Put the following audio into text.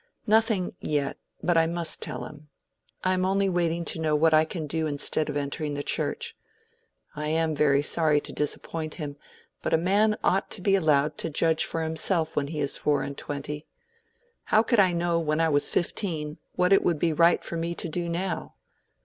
"Nothing, yet; but I must tell him. I am only waiting to know what I can do instead of entering the Church. I am very sorry to disappoint him, but a man ought to be allowed to judge for himself when he is four and twenty. How could I know when I was fifteen, what it would be right for me to do now?